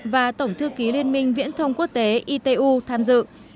và tổng thư ký liên minh viễn thông quốc tế itu tham dự